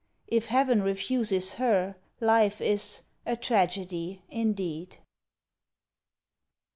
If heaven refuses her, life is A tragedy indeed!